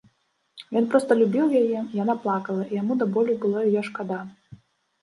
Ён проста любіў яе, яна плакала, і яму да болю было яе шкада.